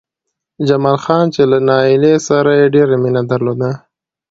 جمال خان چې له نايلې سره يې ډېره مينه درلوده